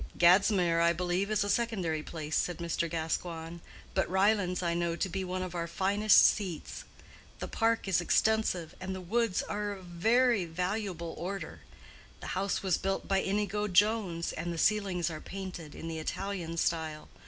"Gadsmere, I believe, is a secondary place," said Mr. Gascoigne; "But Ryelands I know to be one of our finest seats. The park is extensive and the woods of a very valuable order. The house was built by Inigo Jones, and the ceilings are painted in the Italian style.